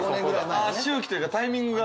周期というかタイミングが。